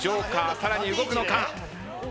さらに動くのか？